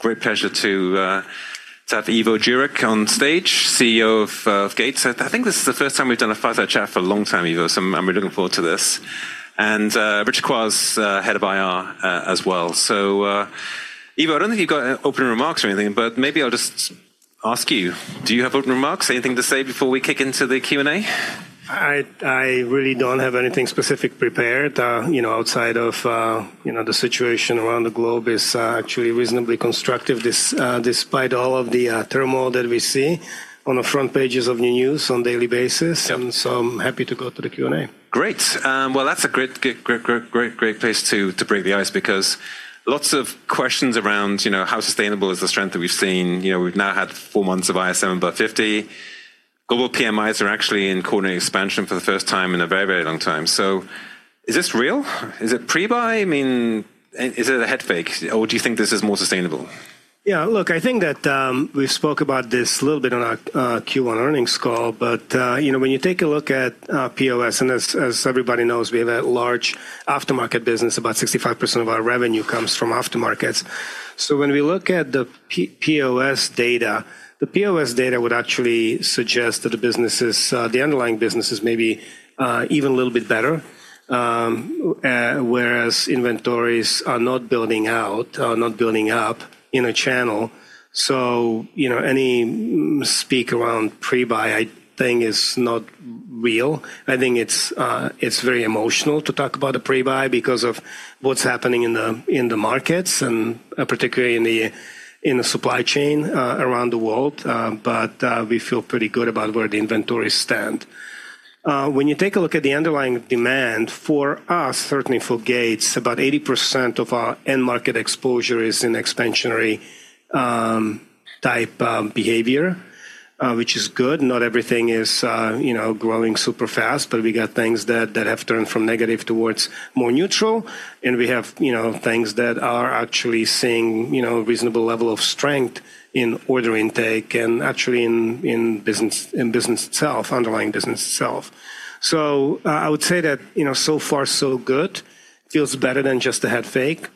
Great pleasure to to have Ivo Jurek on stage, CEO of Gates. I think this is the first time we've done a fireside chat for a long time, Ivo, so I'm really looking forward to this. Rich Kwas, Head of IR, as well. Ivo, I don't think you've got any opening remarks or anything, but maybe I'll just ask you, do you have opening remarks? Anything to say before we kick into the Q&A? I really don't have anything specific prepared, you know, outside of, you know, the situation around the globe is actually reasonably constructive despite all of the turmoil that we see on the front pages of the news on daily basis. Yep. I'm happy to go to the Q&A. Great. well, that's a great place to break the ice because lots of questions around, you know, how sustainable is the strength that we've seen. You know, we've now had four months of ISM above 50. Global PMIs are actually in coordinated expansion for the first time in a very, very long time. Is this real? Is it pre-buy? I mean, is it a head fake, or do you think this is more sustainable? Yeah, look, I think that, we spoke about this a little bit on our Q1 earnings call, you know, when you take a look at POS, and as everybody knows, we have a large aftermarket business. About 65% of our revenue comes from aftermarkets. When we look at the POS data, the POS data would actually suggest that the business is, the underlying business is maybe, even a little bit better. Whereas inventories are not building out, not building up in a channel. You know, any speak around pre-buy I think is not real. I think it's very emotional to talk about a pre-buy because of what's happening in the, in the markets and, particularly in the, in the supply chain, around the world. We feel pretty good about where the inventories stand. When you take a look at the underlying demand for us, certainly for Gates, about 80% of our end market exposure is in expansionary type behavior, which is good. Not everything is, you know, growing super fast, but we got things that have turned from negative towards more neutral, and we have, you know, things that are actually seeing, you know, a reasonable level of strength in order intake and actually in business itself, underlying business itself. I would say that, you know, so far so good. Feels better than just a head fake.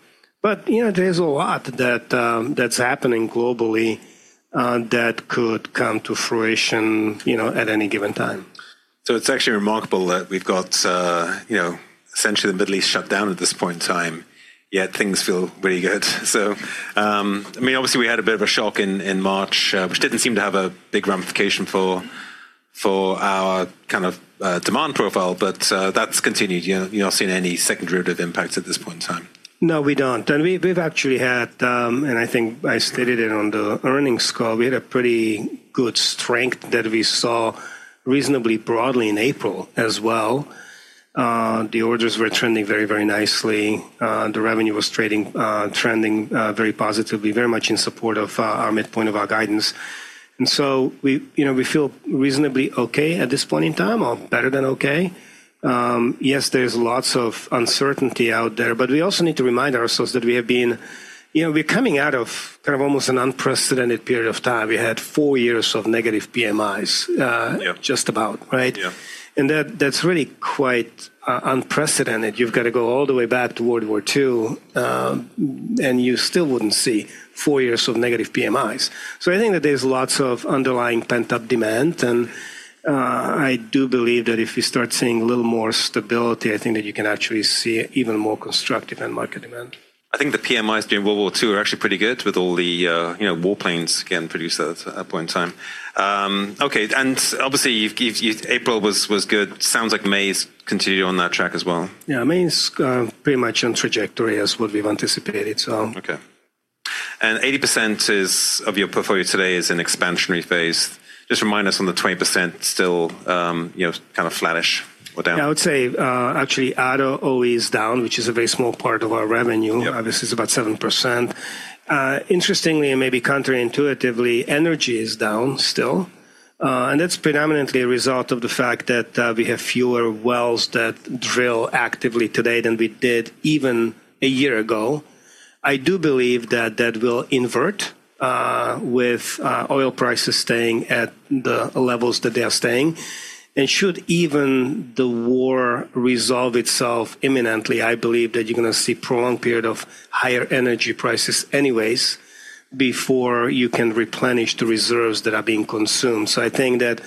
There's a lot that that's happening globally that could come to fruition, you know, at any given time. It's actually remarkable that we've got, you know, essentially the Middle East shut down at this point in time, yet things feel really good. I mean, obviously we had a bit of a shock in March, which didn't seem to have a big ramification for our kind of demand profile, but that's continued. You're not seeing any second derivative impacts at this point in time. No, we don't. We, we've actually had, and I think I stated it on the earnings call, we had a pretty good strength that we saw reasonably broadly in April as well. The orders were trending very, very nicely. The revenue was trending very positively, very much in support of our midpoint of our guidance. We, you know, we feel reasonably okay at this point in time, or better than okay. Yes, there's lots of uncertainty out there, but we also need to remind ourselves that we have been, you know, we're coming out of kind of almost an unprecedented period of time. We had four years of negative PMIs. Yeah. Just about, right? Yeah. That's really quite unprecedented. You've got to go all the way back to World War II, and you still wouldn't see four years of negative PMIs. I think that there's lots of underlying pent-up demand, and I do believe that if we start seeing a little more stability, I think that you can actually see even more constructive end market demand. I think the PMIs during World War II are actually pretty good with all the, you know, warplanes getting produced at that point in time. Okay. Obviously, April was good. Sounds like May has continued on that track as well. Yeah. May is, pretty much on trajectory as what we've anticipated. Okay. 80% is, of your portfolio today is in expansionary phase. Just remind us on the 20% still, you know, kind of flattish or down. I would say, actually auto OE is down, which is a very small part of our revenue. Yeah. This is about 7%. Interestingly, and maybe counterintuitively, energy is down still. That's predominantly a result of the fact that we have fewer wells that drill actively today than we did even a year ago. I do believe that that will invert with oil prices staying at the levels that they are staying. Should even the war resolve itself imminently, I believe that you're gonna see prolonged period of higher energy prices anyways before you can replenish the reserves that are being consumed. I think that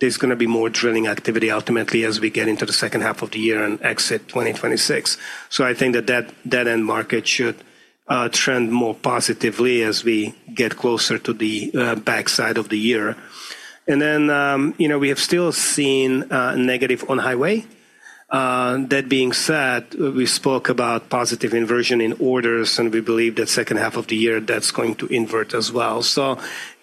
there's gonna be more drilling activity ultimately as we get into the second half of the year and exit 2026. I think that end market should trend more positively as we get closer to the backside of the year. You know, we have still seen negative on highway. That being said, we spoke about positive inversion in orders, and we believe that second half of the year that's going to invert as well.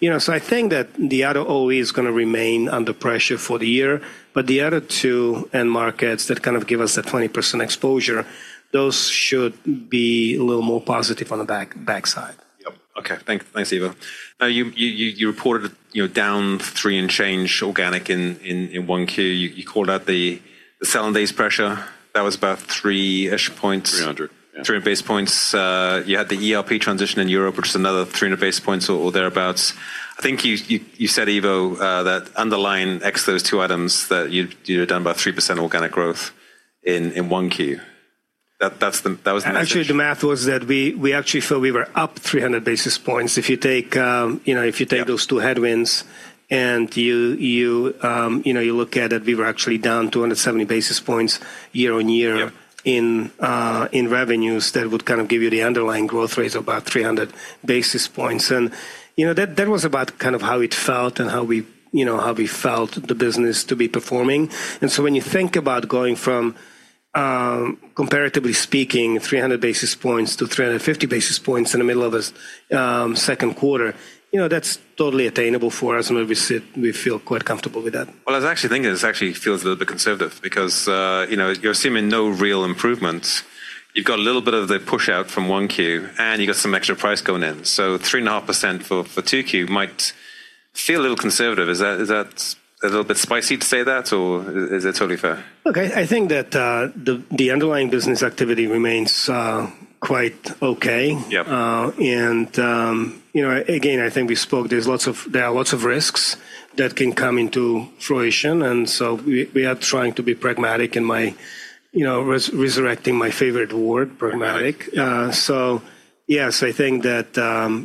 You know, I think that the auto OE is gonna remain under pressure for the year. The other two end markets that kind of give us that 20% exposure, those should be a little more positive on the back side. Yep. Okay. Thanks, Ivo. Now, you reported, you know, down 3% and change organic in 1Q. You called out the sell-in base pressure. That was about 3-ish points. 300, yeah. 300 basis points. You had the ERP transition in Europe, which is another 300 basis points or thereabouts. I think you said, Ivo, that underlying ex those two items that you'd, you know, down about 3% organic growth in 1Q. That was the message. Actually, the math was that we actually felt we were up 300 basis points if you take those two headwinds and, you know, you look at it, we were actually down 270 basis points year-over-year In revenues. That would kind of give you the underlying growth rate of about 300 basis points. You know, that was about kind of how it felt and how we, you know, how we felt the business to be performing. When you think about going from, comparatively speaking, 300 basis points to 350 basis points in the middle of this second quarter, you know, that's totally attainable for us and where we sit, we feel quite comfortable with that. Well, I was actually thinking this actually feels a little bit conservative because, you know, you're assuming no real improvements. You've got a little bit of the push out from 1Q, and you've got some extra price going in. 3.5% for 2Q might feel a little conservative. Is that a little bit spicy to say that or is it totally fair? Okay. I think that the underlying business activity remains quite okay. Yep. You know, again, I think we spoke, there are lots of risks that can come into fruition, and so we are trying to be pragmatic and my, you know, resurrecting my favorite word. Pragmatic Pragmatic. Yes, I think that,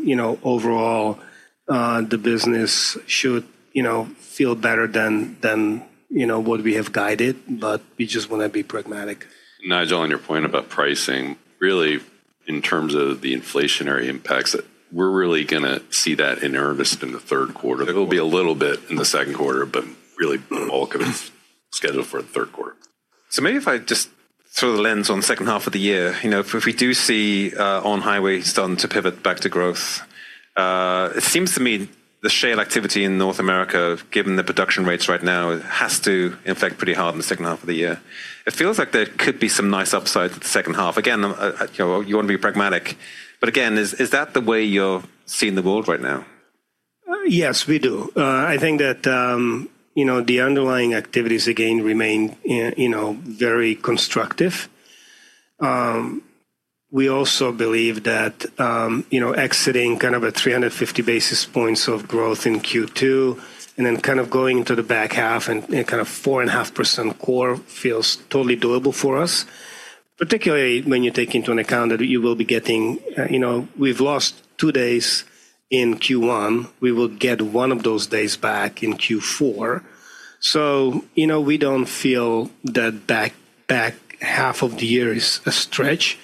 you know, overall, the business should, you know, feel better than, you know, what we have guided, but we just wanna be pragmatic. Nigel, on your point about pricing, really in terms of the inflationary impacts, we're really gonna see that in earnest in the third quarter. There will be a little bit in the second quarter, but really the bulk of it is scheduled for the third quarter. Maybe if I just throw the lens on the second half of the year, you know, if we do see on-highway starting to pivot back to growth, it seems to me the shale activity in North America, given the production rates right now, has to impact pretty hard in the second half of the year. It feels like there could be some nice upside to the second half. Again, you know, you wanna be pragmatic, but again, is that the way you're seeing the world right now? Yes, we do. I think that, you know, the underlying activities again remain, you know, very constructive. We also believe that, you know, exiting kind of a 350 basis points of growth in Q2 and then kind of going into the back half and kind of 4.5% core feels totally doable for us. Particularly when you take into an account that you will be getting, you know, we've lost two days in Q1, we will get one of those days back in Q4. You know, we don't feel that back half of the year is a stretch,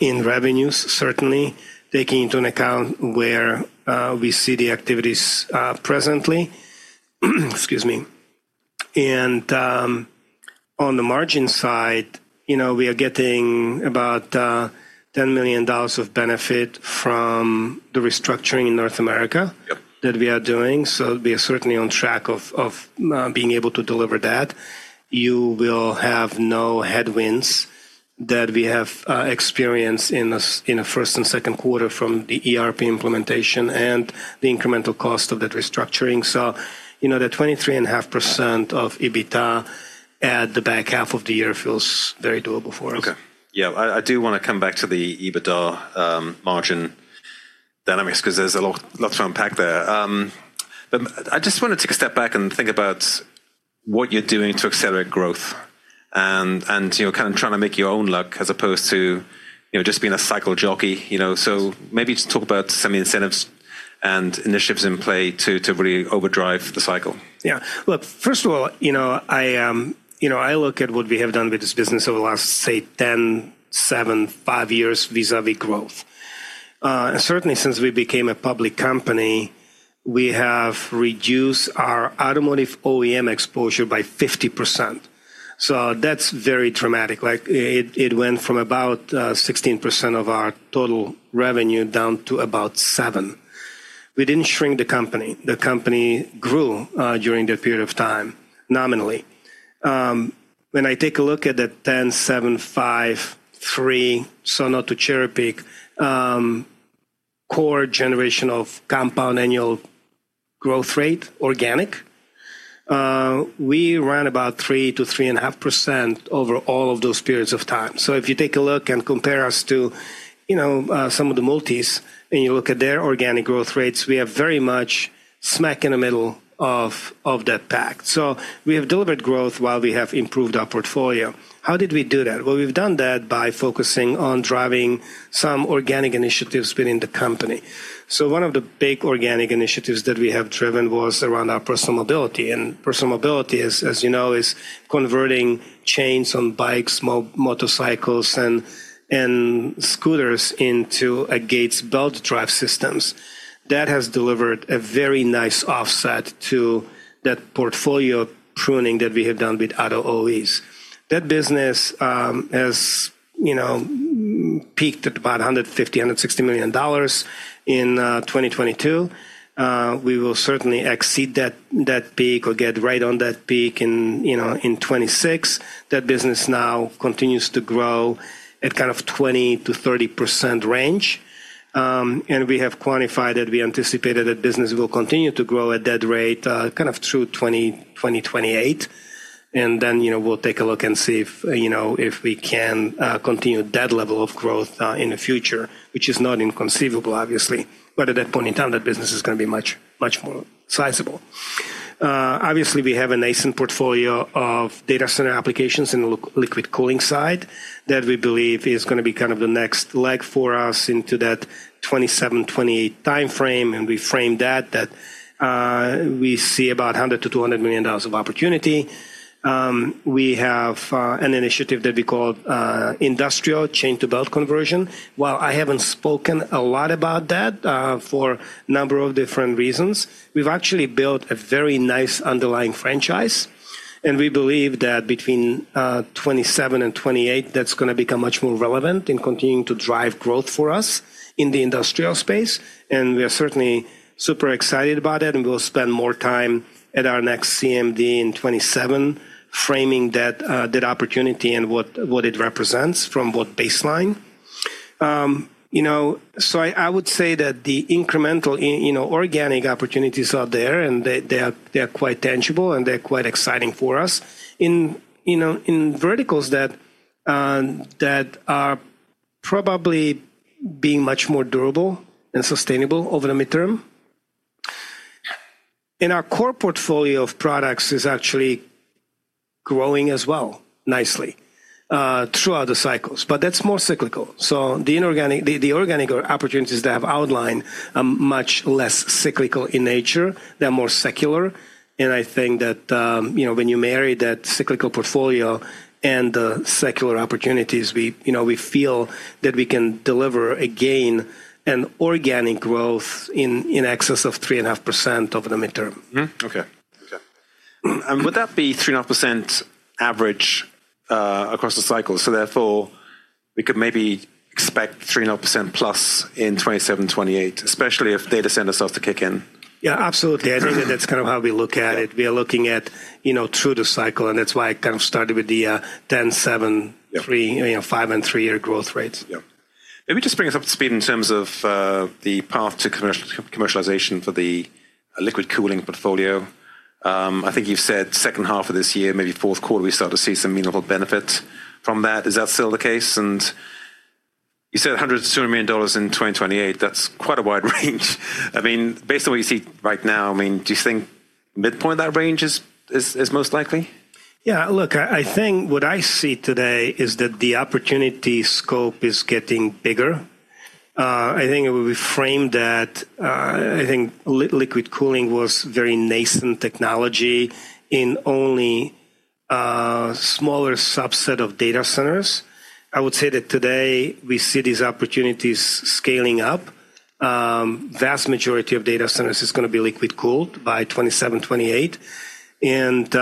in revenues, certainly taking into account where we see the activities, presently. Excuse me. On the margin side, you know, we are getting about $10 million of benefit from the restructuring in North America. Yep that we are doing, so we are certainly on track of being able to deliver that. You will have no headwinds that we have experienced in the first and second quarter from the ERP implementation and the incremental cost of that restructuring. You know, the 23.5% of EBITDA at the back half of the year feels very doable for us. Okay. Yeah. I do wanna come back to the EBITDA margin dynamics 'cause there's a lot to unpack there. I just wanna take a step back and think about what you're doing to accelerate growth and, you know, kind of trying to make your own luck as opposed to, you know, just being a cycle jockey, you know. Maybe just talk about some incentives and initiatives in play to really overdrive the cycle. Yeah. Look, first of all, you know, I, you know, I look at what we have done with this business over the last, say, 10, seven, five years vis-à-vis growth. Certainly since we became a public company, we have reduced our automotive OEM exposure by 50%. That's very dramatic. Like it went from about 16% of our total revenue down to about 7%. We didn't shrink the company. The company grew during that period of time nominally. When I take a look at the 10, seven, five, three, not to cherry-pick, core generation of compound annual growth rate organic, we ran about 3%-3.5% over all of those periods of time. If you take a look and compare us to, you know, some of the multis and you look at their organic growth rates, we are very much smack in the middle of that pack. We have delivered growth while we have improved our portfolio. How did we do that? Well, we've done that by focusing on driving some organic initiatives within the company. One of the big organic initiatives that we have driven was around our personal mobility. Personal mobility is, as you know, is converting chains on bikes, motorcycles and scooters into a Gates Belt Drive systems. That has delivered a very nice offset to that portfolio pruning that we have done with auto OEs. That business has, you know, peaked at about $150 million-$160 million in 2022. We will certainly exceed that peak or get right on that peak in, you know, in 2026. That business now continues to grow at kind of 20%-30% range. We have quantified that we anticipated that business will continue to grow at that rate, kind of through 2028. Then, you know, we'll take a look and see if, you know, if we can continue that level of growth in the future, which is not inconceivable obviously. At that point in time, that business is going to be much more sizable. Obviously we have a nascent portfolio of data center applications in the liquid cooling side that we believe is going to be kind of the next leg for us into that 2027, 2028 timeframe, and we frame that we see about $100 million-$200 million of opportunity. We have an initiative that we call industrial chain-to-belt conversion. While I haven't spoken a lot about that for a number of different reasons, we've actually built a very nice underlying franchise, and we believe that between 2027 and 2028 that's going to become much more relevant in continuing to drive growth for us in the industrial space. We are certainly super excited about it, and we'll spend more time at our next CMD in 2027 framing that opportunity and what it represents from what baseline. You know, I would say that the incremental, you know, organic opportunities are there and they are quite tangible and they're quite exciting for us in, you know, in verticals that are probably being much more durable and sustainable over the midterm. Our core portfolio of products is actually growing as well nicely throughout the cycles, but that's more cyclical. The inorganic The organic opportunities that I have outlined are much less cyclical in nature. They're more secular. I think that, you know, when you marry that cyclical portfolio and the secular opportunities, we feel that we can deliver a gain, an organic growth in excess of 3.5% over the midterm. Okay. Okay. Would that be 3.5% average across the cycle, therefore we could maybe expect 3.5%+ in 2027, 2028, especially if data center starts to kick in? Yeah, absolutely. I think that that's kind of how we look at it. We are looking at, you know, through the cycle, and that's why I kind of started with the 10, seven, three, you know, five and three-year growth rates. Maybe just bring us up to speed in terms of the path to commercialization for the liquid cooling portfolio. I think you've said second half of this year, maybe fourth quarter, we start to see some meaningful benefit from that. Is that still the case? You said $100 million-$200 million in 2028, that's quite a wide range. I mean, based on what you see right now, I mean, do you think midpoint of that range is most likely? Yeah. Look, I think what I see today is that the opportunity scope is getting bigger. I think if we frame that, I think liquid cooling was very nascent technology in only a smaller subset of data centers. I would say that today we see these opportunities scaling up. Vast majority of data centers is gonna be liquid cooled by 2027, 2028 and,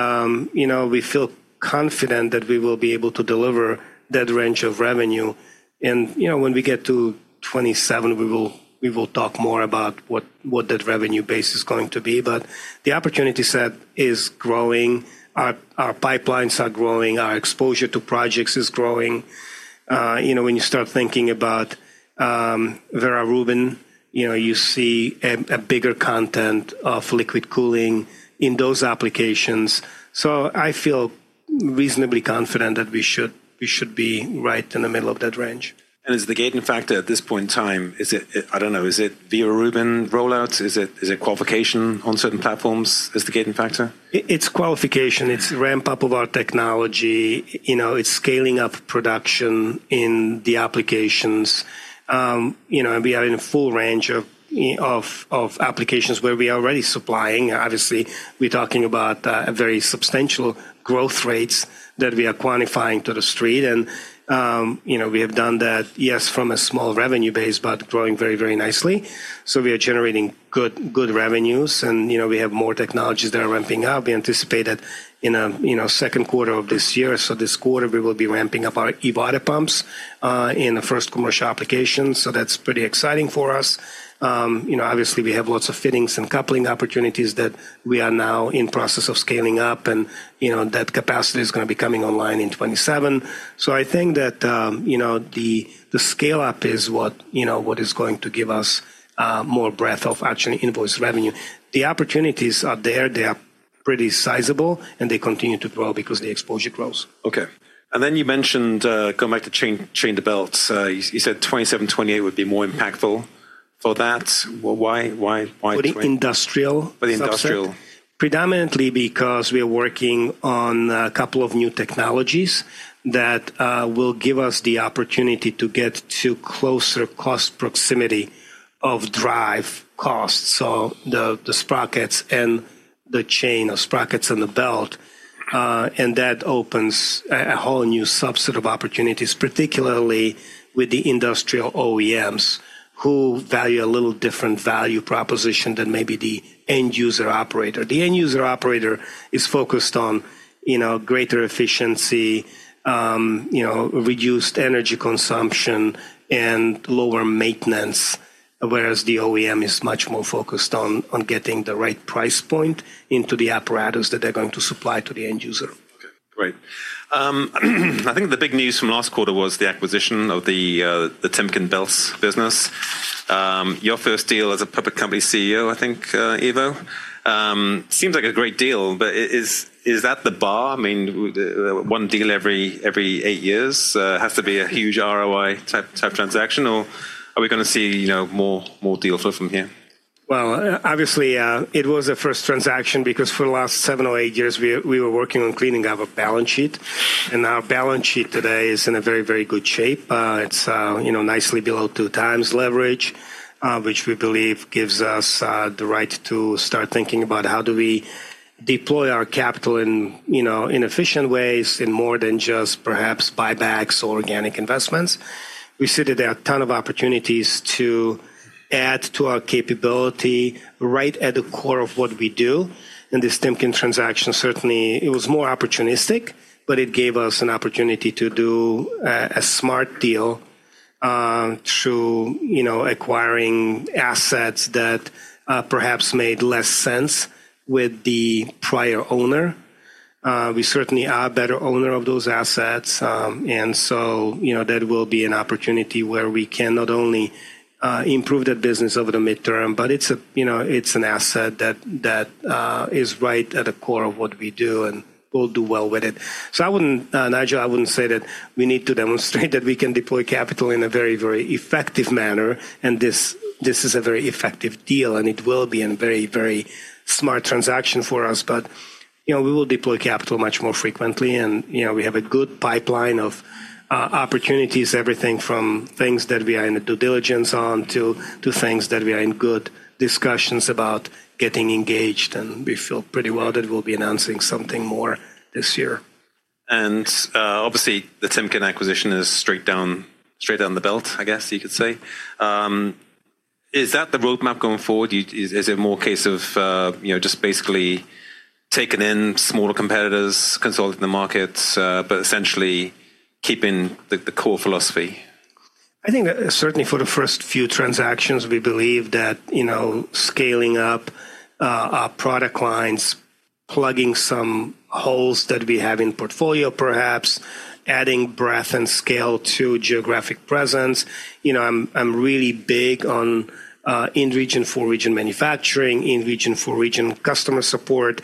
you know, we feel confident that we will be able to deliver that range of revenue and, you know, when we get to 2027 we will talk more about what that revenue base is going to be. The opportunity set is growing. Our pipelines are growing. Our exposure to projects is growing. You know, when you start thinking about Vera Rubin, you know, you see a bigger content of liquid cooling in those applications. I feel reasonably confident that we should be right in the middle of that range. Is the gating factor at this point in time, is it I don't know? Is it Vera Rubin rollout? Is it qualification on certain platforms is the gating factor? It's qualification. It's ramp-up of our technology. You know, it's scaling up production in the applications. You know, we are in a full range of applications where we are already supplying. Obviously, we're talking about very substantial growth rates that we are quantifying to the street and, you know, we have done that, yes, from a small revenue base, but growing very nicely. We are generating good revenues and, you know, we have more technologies that are ramping up. We anticipate that in, you know, second quarter of this year, so this quarter, we will be ramping up our e-water pumps in the first commercial application, so that's pretty exciting for us. You know, obviously we have lots of fittings and coupling opportunities that we are now in process of scaling up and, you know, that capacity is gonna be coming online in 2027. I think that, you know, the scale-up is what, you know, what is going to give us more breadth of actually invoice revenue. The opportunities are there. They are pretty sizable, and they continue to grow because the exposure grows. Okay. You mentioned going back to chain-to-belt, you said 2027, 2028 would be more impactful for that. Why? For the industrial subset. For the industrial. Predominantly because we are working on a couple of new technologies that will give us the opportunity to get to closer cost proximity of drive costs. The, the sprockets and the chain or sprockets and the belt, and that opens a whole new subset of opportunities, particularly with the industrial OEMs who value a little different value proposition than maybe the end user operator. The end user operator is focused on, you know, greater efficiency, you know, reduced energy consumption and lower maintenance, whereas the OEM is much more focused on getting the right price point into the apparatus that they're going to supply to the end user. Okay. Great. I think the big news from last quarter was the acquisition of the Timken Belts business. Your first deal as a public company CEO, I think, Ivo. Seems like a great deal, but is that the bar? I mean, one deal every eight years? It has to be a huge ROI type transaction, or are we gonna see, you know, more deal flow from here? Well, obviously, it was a first transaction because for the last seven or eight years we were working on cleaning up our balance sheet. Our balance sheet today is in a very, very good shape. It's, you know, nicely below 2x leverage, which we believe gives us the right to start thinking about how do we deploy our capital in, you know, in efficient ways in more than just perhaps buybacks or organic investments. We see that there are a ton of opportunities to add to our capability right at the core of what we do. This Timken transaction certainly it was more opportunistic, but it gave us an opportunity to do a smart deal through, you know, acquiring assets that perhaps made less sense with the prior owner. We certainly are a better owner of those assets. You know, that will be an opportunity where we can not only improve the business over the midterm, but it's a, you know, it's an asset that is right at the core of what we do, and we'll do well with it. I wouldn't, Nigel, I wouldn't say that we need to demonstrate that we can deploy capital in a very, very effective manner, and this is a very effective deal, and it will be a very, very smart transaction for us. You know, we will deploy capital much more frequently and, you know, we have a good pipeline of opportunities, everything from things that we are in the due diligence on to things that we are in good discussions about getting engaged, and we feel pretty well that we'll be announcing something more this year. Obviously the Timken acquisition is straight down the belt, I guess you could say. Is that the roadmap going forward? Is it more a case of, you know, just basically taking in smaller competitors, consolidating the markets, but essentially keeping the core philosophy? I think, certainly for the first few transactions, we believe that, you know, scaling up our product lines, plugging some holes that we have in portfolio perhaps, adding breadth and scale to geographic presence. You know, I'm really big on, in region for region manufacturing, in region for region customer support.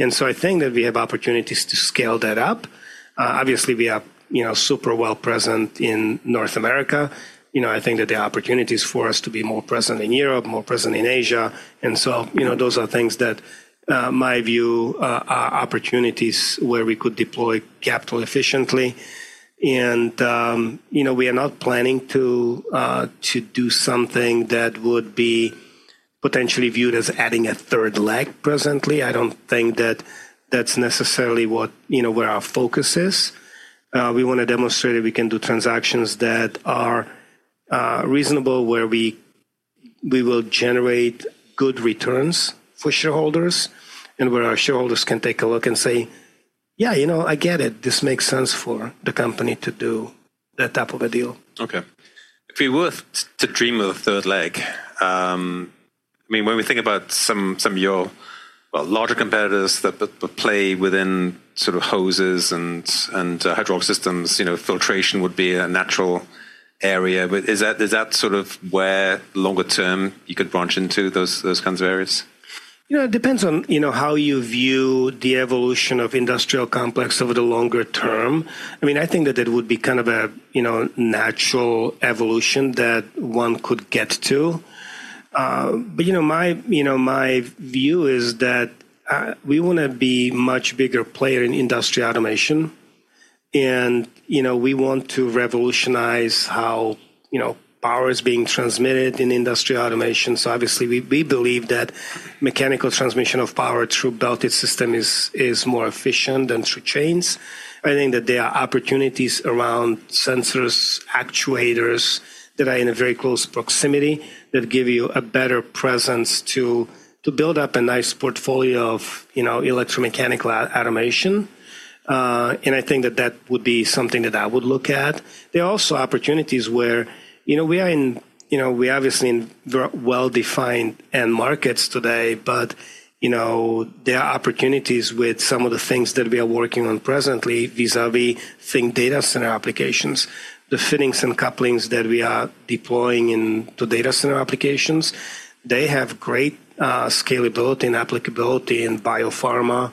I think that we have opportunities to scale that up. Obviously we are, you know, super well present in North America. You know, I think that there are opportunities for us to be more present in Europe, more present in Asia. You know, those are things that, my view, are opportunities where we could deploy capital efficiently. You know, we are not planning to do something that would be potentially viewed as adding a third leg presently. I don't think that that's necessarily what, you know, where our focus is. We wanna demonstrate that we can do transactions that are reasonable, where we will generate good returns for shareholders and where our shareholders can take a look and say, "Yeah, you know, I get it. This makes sense for the company to do that type of a deal. Okay. It'd be worth to dream of a third leg. I mean, when we think about some of your, well, larger competitors that play within sort of hoses and hydraulic systems, you know, filtration would be a natural area. Is that sort of where longer term you could branch into those kinds of areas? You know, it depends on, you know, how you view the evolution of industrial complex over the longer term. I mean, I think that that would be kind of a, you know, natural evolution that one could get to. You know, my, you know, my view is that we wanna be much bigger player in industrial automation and, you know, we want to revolutionize how, you know, power is being transmitted in industrial automation. Obviously we believe that mechanical transmission of power through belted system is more efficient than through chains. I think that there are opportunities around sensors, actuators that are in a very close proximity that give you a better presence to build up a nice portfolio of, you know, electromechanical automation. I think that that would be something that I would look at. There are also opportunities where, you know, we are in, you know, we're obviously in very well-defined end markets today, but, you know, there are opportunities with some of the things that we are working on presently vis-a-vis think data center applications. The fittings and couplings that we are deploying in to data center applications, they have great scalability and applicability in biopharma,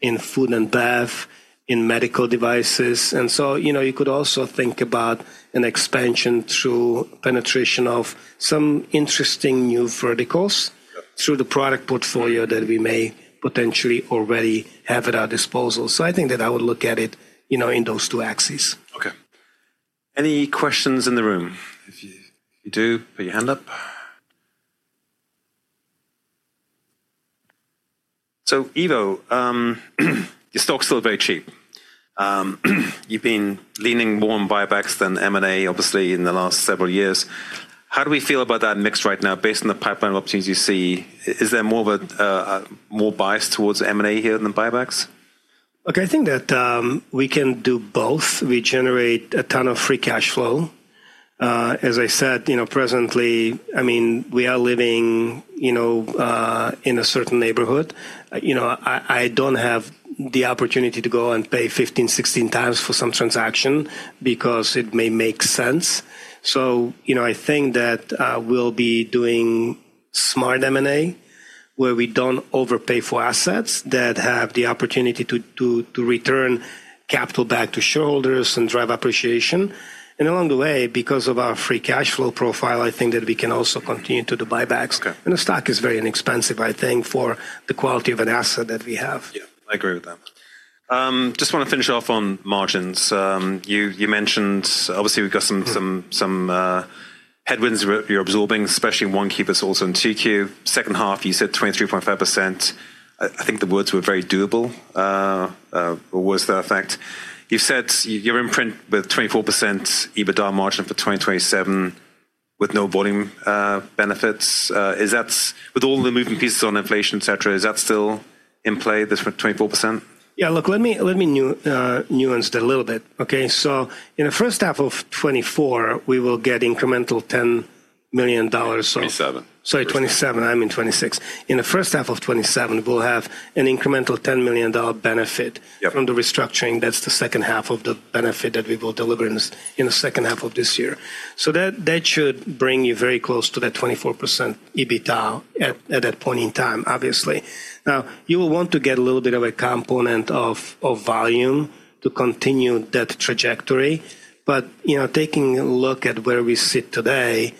in food and beverage, in medical devices. You know, you could also think about an expansion through penetration of some interesting new verticals through the product portfolio that we may potentially already have at our disposal. I think that I would look at it, you know, in those two axis. Okay. Any questions in the room? If you do, put your hand up. Ivo, your stock's still very cheap. You've been leaning more on buybacks than M&A obviously in the last several years. How do we feel about that mix right now based on the pipeline of opportunities you see? Is there more of a more bias towards M&A here than buybacks? I think that we can do both. We generate a ton of free cash flow. As I said, you know, presently, I mean, we are living, you know, in a certain neighborhood. I don't have the opportunity to go and pay 15x, 16x for some transaction because it may make sense. You know, I think that we'll be doing smart M&A where we don't overpay for assets that have the opportunity to return capital back to shareholders and drive appreciation. Along the way, because of our free cash flow profile, I think that we can also continue to do buybacks. Okay. The stock is very inexpensive, I think, for the quality of an asset that we have. Yeah, I agree with that. Just wanna finish off on margins. You mentioned obviously we've got some headwinds we're absorbing, especially in 1Q us also in 2Q. Second half, you said 23.5%. I think the words were very doable. Or was that a fact? You said you're in print with 24% EBITDA margin for 2027 with no volume benefits. Is that with all the moving pieces on inflation, et cetera, is that still in play, the 24%? Yeah, look, let me nuance that a little bit, okay? In the first half of 2024, we will get incremental $10 million. 2027 Sorry, 2027. I mean 2026. In the first half of 2027, we'll have an incremental $10 million benefit from the restructuring. That's the second half of the benefit that we will deliver in the second half of this year. That should bring you very close to that 24% EBITDA at that point in time, obviously. Now, you will want to get a little bit of a component of volume to continue that trajectory. You know, taking a look at where we sit today,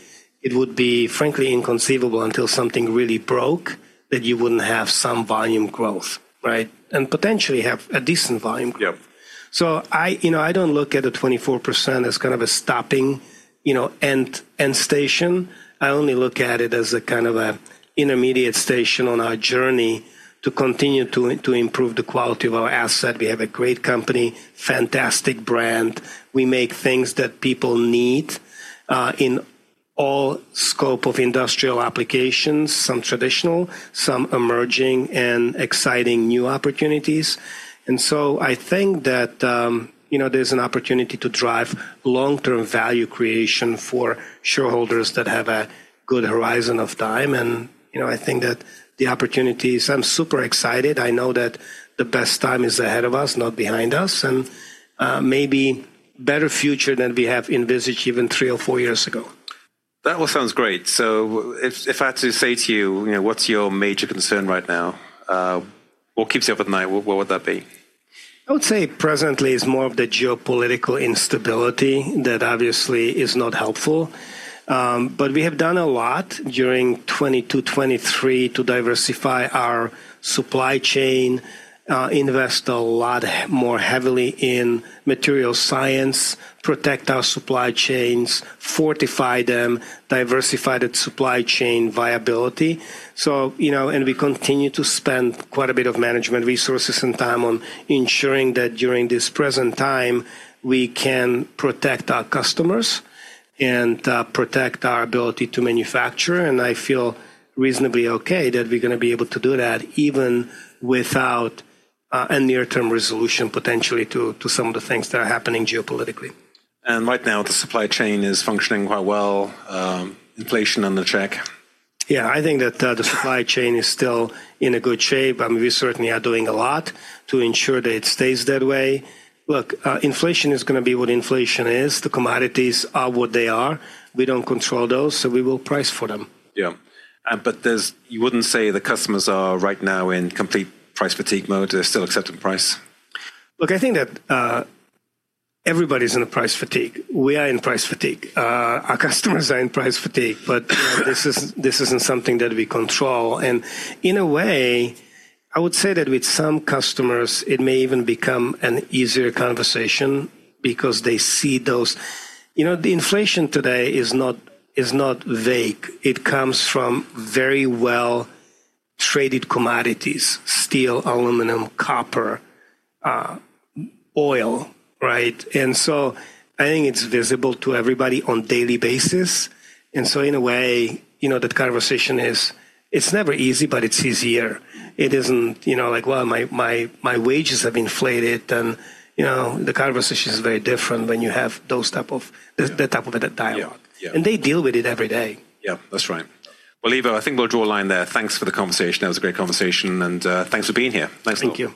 it would be frankly inconceivable until something really broke that you wouldn't have some volume growth, right? Potentially have a decent volume growth. Yep. I, you know, I don't look at the 24% as kind of a stopping, you know, end station. I only look at it as a kind of a intermediate station on our journey to continue to improve the quality of our asset. We have a great company, fantastic brand. We make things that people need, in all scope of industrial applications, some traditional, some emerging and exciting new opportunities. I think that, you know, there's an opportunity to drive long-term value creation for shareholders that have a good horizon of time. You know, I think that the opportunities, I'm super excited. I know that the best time is ahead of us, not behind us, and maybe better future than we have envisaged even three or four years ago. That all sounds great. If I had to say to you know, what's your major concern right now, what keeps you up at night, what would that be? I would say presently it's more of the geopolitical instability that obviously is not helpful. We have done a lot during 2020 to 2023 to diversify our supply chain, invest a lot more heavily in material science, protect our supply chains, fortify them, diversify that supply chain viability. You know, we continue to spend quite a bit of management resources and time on ensuring that during this present time, we can protect our customers and protect our ability to manufacture. I feel reasonably okay that we're gonna be able to do that even without a near term resolution potentially to some of the things that are happening geopolitically. Right now, the supply chain is functioning quite well, inflation under check? Yeah. I think that the supply chain is still in a good shape. I mean, we certainly are doing a lot to ensure that it stays that way. Look, inflation is gonna be what inflation is. The commodities are what they are. We don't control those, so we will price for them. Yeah. You wouldn't say the customers are right now in complete price fatigue mode, they're still accepting price? Look, I think that everybody's in a price fatigue. We are in price fatigue. Our customers are in price fatigue, but this isn't something that we control. In a way, I would say that with some customers, it may even become an easier conversation because they see those, you know, the inflation today is not, is not vague. It comes from very well-traded commodities, steel, aluminum, copper, oil, right? I think it's visible to everybody on daily basis. In a way, you know, that conversation is, it's never easy, but it's easier. It isn't, you know, like, well, my wages have inflated. You know, the conversation is very different when you have those type of that dialogue. Yeah. Yeah. They deal with it every day. Yeah, that's right. Well, Ivo, I think we'll draw a line there. Thanks for the conversation. That was a great conversation and thanks for being here. Thanks a lot.